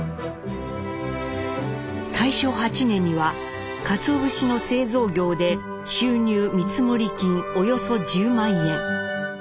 大正８年にはかつお節の製造業で収入見積金およそ１０万円。